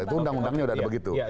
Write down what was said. itu undang undangnya sudah ada begitu